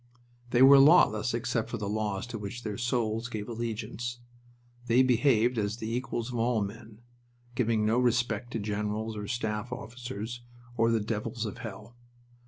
They were lawless except for the laws to which their souls gave allegiance. They behaved as the equals of all men, giving no respect to generals or staff officers or the devils of hell.